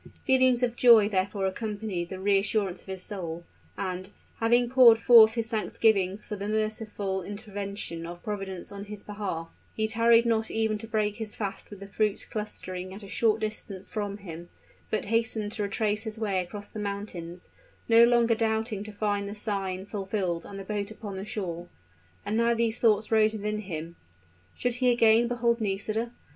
Feelings of joy therefore accompanied the reassurance of his soul; and, having poured forth his thanksgivings for the merciful intervention of Providence in his behalf, he tarried not even to break his fast with the fruits clustering at a short distance from him, but hastened to retrace his way across the mountains, no longer doubting to find the sign fulfilled and the boat upon the shore. And now these thoughts rose within him. Should he again behold Nisida?